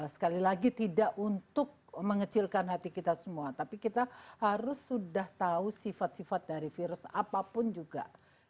sekali lagi tidak untuk mengecilkan hati kita semua tapi kita harus sudah tahu sifat sifat dari virus apapun juga